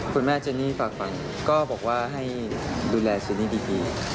คุณแม่เจนี่ฝากฝันก็บอกว่าให้ดูแลเจนี่ดี